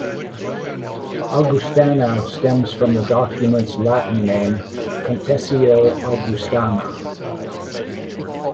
"Augustana" stems from the document's Latin name, "Confessio Augustana".